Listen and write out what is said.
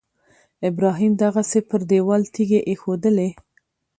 ابراهیم دغسې پر دېوال تیږې ایښودلې.